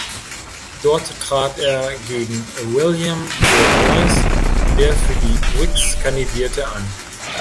Dort trat er gegen William De Buys, der für die Whigs kandidierte, an.